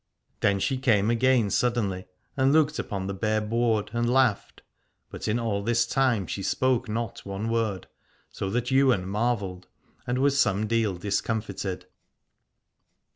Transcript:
Then she came again suddenly, and looked upon the bare board, and laughed : but in all this time she spoke not one word, so that Ywain marvelled and was some deal discomfited.